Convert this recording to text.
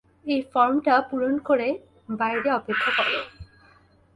এই ফর্মটা পূরণ করে বাইরে অপেক্ষা করো।